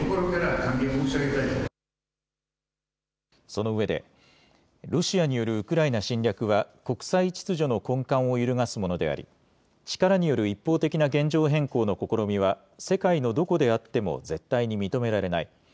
そのうえでロシアによるウクライナ侵略は国際秩序の根幹を揺るがすものであり力による一方的な現状変更の試みは世界のどこであっても絶対に認められない。